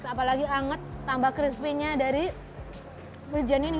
apalagi anget tambah crispy nya dari hujan ini